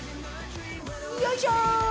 よいしょ！